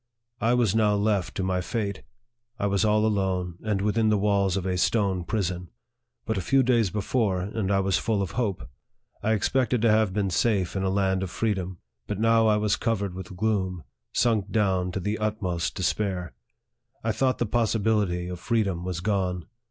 I was now left to my fate. I was all alone, and within the walls of a stone prison. But a few days before, and I was full of hope. I expected to have been safe in a land of freedom ; but now I was cov ered with gloom, sunk down to the utmost despair. I thought the possibility of freedom was gone.